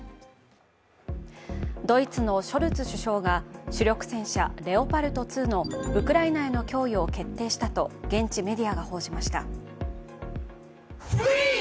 ドイツのショルツ首相が主力戦車・レオパルト２のウクライナへの供与を決定したと現地メディアが報じました。